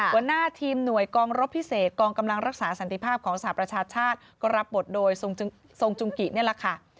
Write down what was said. หัวหน้าทีมหน่วยกองรบพิเศษกองกำลังรักษาสันติภาพของสหประชาชาติก็รับบทโดยทรงจุงกินี่แหละค่ะ